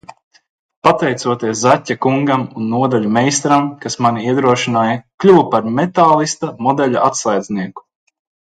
"Pateicoties Zaķa kungam un nodaļu meistaram, kas mani iedrošināja kļuvu par "Metālista" modeļu atslēdznieku."